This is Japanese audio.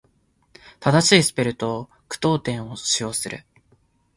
正しいスペルと句読点を使用する。